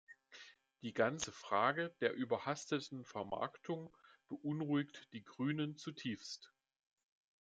Die ganze Frage der überhasteten Vermarktung beunruhigt die Grünen zutiefst.